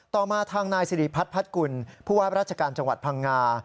ต่อมาทางนายสิริพัฒนพัฒน์กุลผู้ว่าราชการจังหวัดพังงา